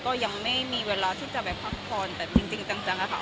ก็ยังไม่มีเวลาที่จะไปพักผ่อนแต่จริงจังค่ะ